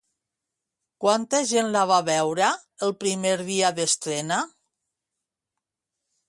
Quanta gent la va veure el primer dia d'estrena?